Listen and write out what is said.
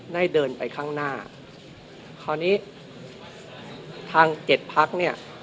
ได้เดินไปข้างหน้าคราวนี้ทางเจ็ดพักเนี่ย